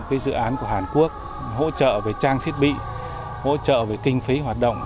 cái dự án của hàn quốc hỗ trợ về trang thiết bị hỗ trợ về kinh phí hoạt động